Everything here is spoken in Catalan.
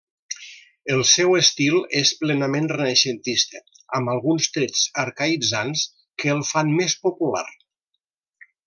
El seu estil és plenament renaixentista, amb alguns trets arcaïtzants que el fan més popular.